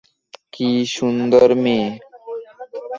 কী সুন্দর মেয়ে!